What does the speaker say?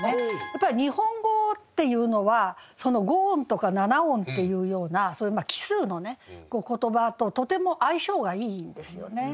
やっぱり日本語っていうのはその５音とか７音っていうようなそういう奇数の言葉ととても相性がいいんですよね。